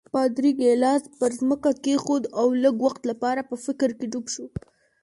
پادري ګیلاس پر ځمکه کېښود او لږ وخت لپاره په فکر کې ډوب شو.